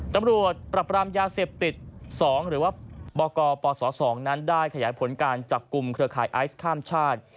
ตำรวจปรับปรามยาเสพติด๒หรือว่าบกปศ๒นั้นได้ขยายผลการจับกลุ่มเครือข่ายไอซ์ข้ามชาติ